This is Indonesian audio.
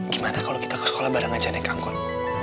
gimana kalau kita ke sekolah bareng aja nek kangkon